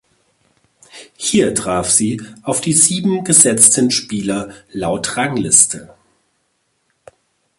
Hier trafen sie auf die sieben gesetzten Spieler laut Rangliste.